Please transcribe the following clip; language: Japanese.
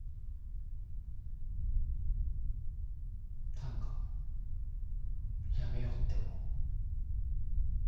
短歌やめようって思う。